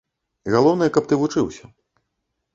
Галоўнае, каб ты вучыўся.